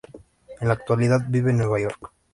En la actualidad vive en Nueva York.